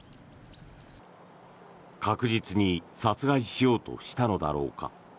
確実に殺害しようとしたのだろうか。